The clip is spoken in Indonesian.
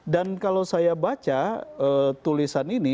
dan kalau saya baca tulisan ini